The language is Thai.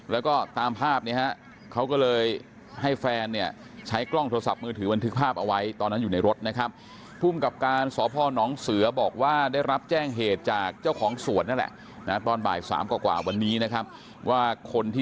แล้วก็ตามภาพเขาก็เลยให้แฟนใช้กล้องโทรศัพท์มือถือบันทึกภาพเอาไว้เมื่ออยู่ในรถ